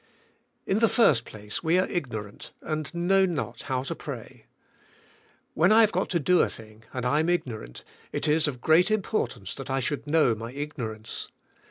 In the first place we are ignoront and know not how to pray. When I have got to do a thing and I am ignorant, it is of great importance that I should know my ignorance.